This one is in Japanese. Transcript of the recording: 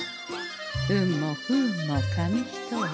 運も不運も紙一重。